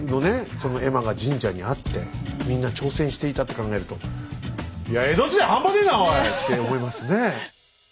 その絵馬が神社にあってみんな挑戦していたって考えると「いや江戸時代半端ねえなおい！」って思いますね。